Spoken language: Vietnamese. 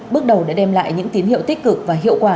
bước đầu đã đem lại những tín hiệu tích cực và hiệu quả